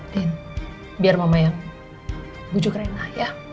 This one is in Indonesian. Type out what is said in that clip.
din biar mama yang bujuk rena ya